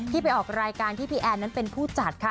ไปออกรายการที่พี่แอนนั้นเป็นผู้จัดค่ะ